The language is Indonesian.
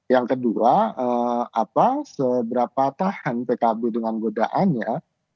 yang kedua seberapa tahan pkb dengan godaannya